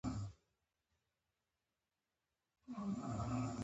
عصري تعلیم مهم دی ځکه چې د معیوبینو لپاره اسانتیاوې لري.